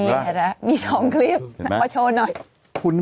ก็มี๒คลิปเผาโชว์หน่อย